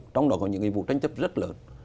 trong đó có những vụ tranh chấp rất lớn